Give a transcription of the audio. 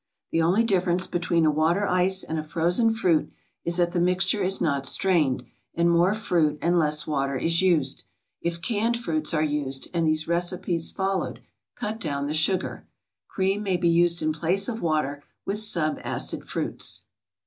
The only difference between a water ice and a frozen fruit is that the mixture is not strained, and more fruit and less water is used. If canned fruits are used, and these recipes followed, cut down the sugar. Cream may be used in place of water with sub acid fruits.